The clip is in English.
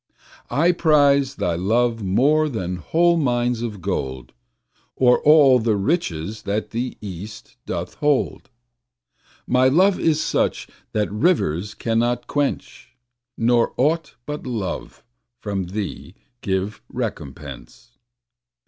I prize thy love more than whole mines of gold Or all the riches that the East doth hold. My love is such that rivers cannot quench, Nor aught but love from thee give recompense.